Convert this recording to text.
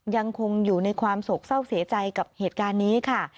ยังคงอยู่ในความโศกเศร้าเสียใจกับเหตุการณ์นี้ค่ะ